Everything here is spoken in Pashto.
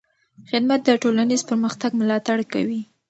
خدمت د ټولنیز پرمختګ ملاتړ کوي.